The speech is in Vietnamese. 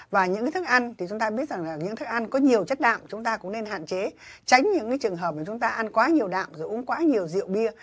và những cái thức ăn thì chúng ta biết rằng là những thức ăn có nhiều chất đạm chúng ta cũng nên hạn chế tránh những trường hợp mà chúng ta ăn quá nhiều đạm rồi uống quá nhiều rượu bia